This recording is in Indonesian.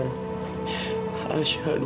pak eh permisi dulu